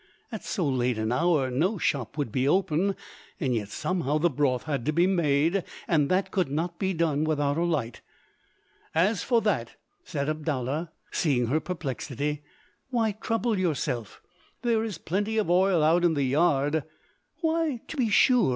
At so late an hour no shop would be open, yet somehow the broth had to be made, and that could not be done without a light. "As for that," said Abdallah, seeing her perplexity, "why trouble yourself? There is plenty of oil out in the yard." "Why, to be sure!"